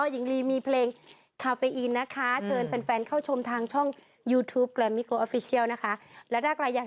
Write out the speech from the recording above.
ดนตรีเนี่ยทำให้หญิงรู้สึกรักแห่งนี้มาก